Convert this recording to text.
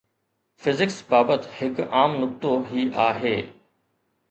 physics بابت هڪ عام نقطو هي آهي